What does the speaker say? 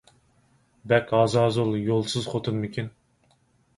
بەك ھازازۇل، يولسىز خوتۇنمىكىن.